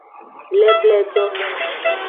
Lebledo.